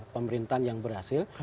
pemerintahan yang berhasil